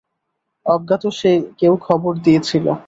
অজ্ঞাত কেউ খবর দিয়েছিল।